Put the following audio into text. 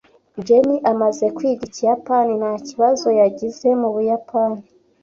Jenny amaze kwiga Ikiyapani, nta kibazo yagize mu Buyapani.